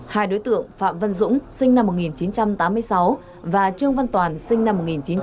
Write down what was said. hai đối tượng phạm văn dũng sinh năm một nghìn chín trăm tám mươi sáu và trương văn toàn sinh năm một nghìn chín trăm tám mươi